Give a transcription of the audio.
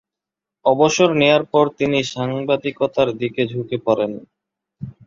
অবসর নেয়ার পর তিনি সাংবাদিকতার দিকে ঝুঁকে পড়েন।